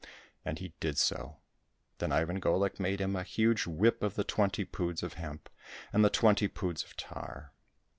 And he did so. Then Ivan GoHk made him a huge whip of the twenty poods of hemp and the twenty poods of tar.